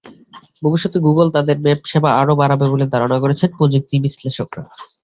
ভবিষ্যতে গুগল তাদের ম্যাপ সেবা আরও বাড়াবে বলে ধারণা করছেন প্রযুক্তিবিশ্লেষকেরা।